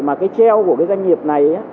mà cái treo của cái doanh nghiệp này